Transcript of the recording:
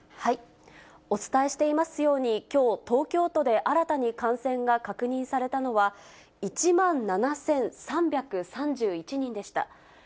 お伝えしていますように、きょう、東京都で新たに感染が確認されたのは、１万７３３１人でした。